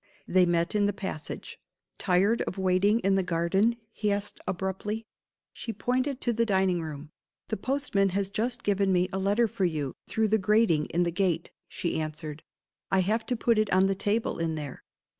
They met in the passage. "Tired of waiting in the garden?" he asked, abruptly. She pointed to the dining room. "The postman has just given me a letter for you, through the grating in the gate," she answered. "I have put it on the table in there."